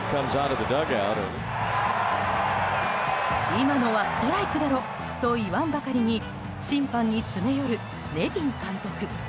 今のはストライクだろ！と言わんばかりに審判に詰め寄る、ネビン監督。